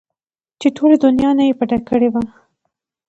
چې ټولې دونيا نه يې پټه کړې وه.